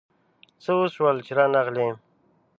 څه وشول چي رانغلې ؟